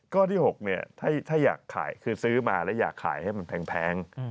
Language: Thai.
ข้อที่๖ถ้าอยากขายคือซื้อมาแล้วอยากขายให้มันแพง